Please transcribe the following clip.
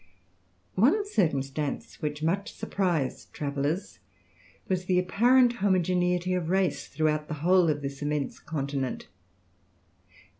] One circumstance which much surprised travellers was the apparent homogeneity of race throughout the whole of this immense continent.